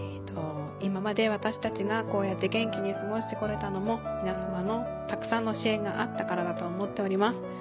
今まで私たちがこうやって元気に過ごして来れたのも皆様のたくさんの支援があったからだと思っております。